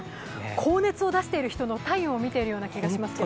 高熱を出している人の体温を見ているような気がしますけど。